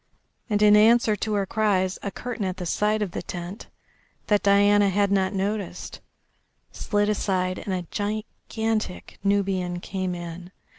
And, in answer to her cries, a curtain at the side of the tent, that Diana had not noticed, slid aside and a gigantic Nubian came in.